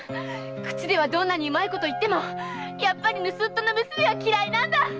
口ではどんなにうまいことを言ってもやっぱり盗っ人の娘は嫌いなんだ！